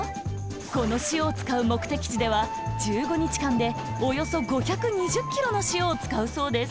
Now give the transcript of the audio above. この塩を使う目的地では１５にちかんでおよそ５２０ｋｇの塩を使うそうです。